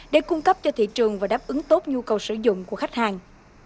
để cung cấp cho thị trường và đáp ứng tốt nhu cầu sử dụng của khách hàng